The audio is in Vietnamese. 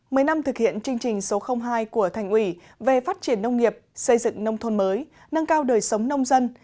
mười năm thực hiện chương trình số hai của thành ủy về phát triển nông nghiệp xây dựng nông thôn mới nâng cao đời sống nông dân